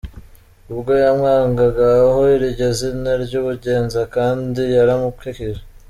Ubwo yamwangagaho iryo zina ry’ubugenza kandi yaramukijije.